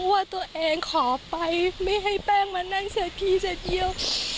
ว่าตัวเองขอไปไม่ให้แป้งมานั่งเสียพี่เจ๊เกียว